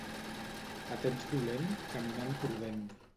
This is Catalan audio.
A temps dolent, caminant prudent.